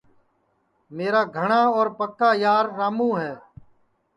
میرا گھٹا اور پکا یارراموں ہے